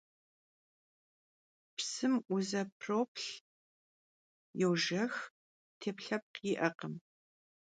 Psım vuzepxroplh, yojjex, têplhepkh yi'ekhım.